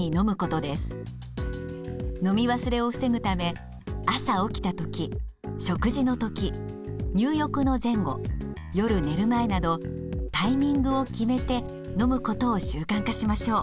飲み忘れを防ぐため朝起きた時食事の時入浴の前後夜寝る前などタイミングを決めて飲むことを習慣化しましょう。